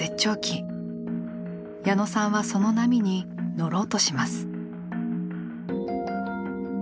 矢野さんはその波に乗ろうとします。